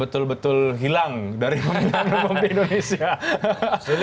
betul betul hilang dari pemerintahan rukun indonesia